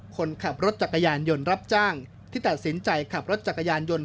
คนขับรถจักรยานยนต์รับจ้างที่ตัดสินใจขับรถจักรยานยนต์